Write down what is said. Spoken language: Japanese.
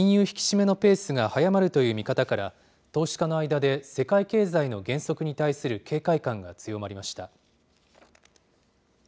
引き締めのペースが速まるという見方から、投資家の間で世界経済の減速に対する警戒感が強まりました。